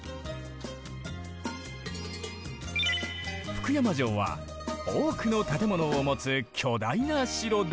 福山城は多くの建物を持つ巨大な城だった。